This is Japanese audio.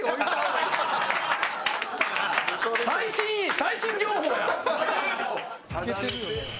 最新最新情報やん。